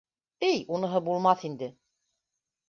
— Эй, уныһы булмаҫ инде.